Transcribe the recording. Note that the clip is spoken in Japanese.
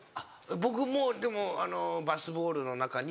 僕もでもバスボールの中に。